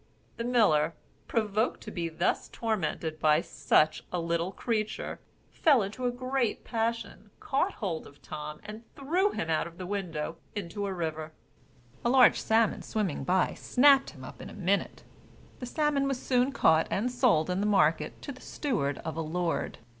The miller, provoked to be thus tormented by such a little creature, fell into a great passion, caught hold of Tom, and threw him out of the window, into the river. A large salmon swimming by, snapped him up in a minute. The salmon was soon caught and sold in the market to the steward of a lord.